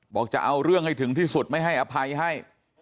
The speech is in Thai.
บอกจะเอาเรื่องให้ถึงที่สุดไม่ให้อภัยให้